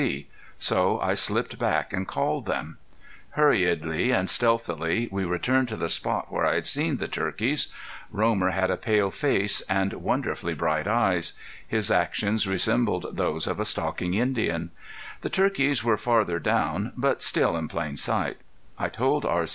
C. So I slipped back and called them. [Illustration: ROMER BOY ON HIS FAVORITE STEED] Hurriedly and stealthily we returned to the point where I had seen the turkeys. Romer had a pale face and wonderfully bright eyes; his actions resembled those of a stalking Indian. The turkeys were farther down, but still in plain sight. I told R.